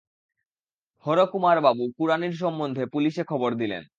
হরকুমারবাবু কুড়ানির সম্বন্ধে পুলিসে খবর দিলেন।